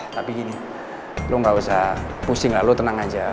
tapi gini lo gak usah pusing lah lo tenang aja